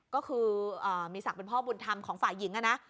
ก็คือมีศักดิ์เป็นพ่อบุญธรรมของฝ่ายหญิงนะ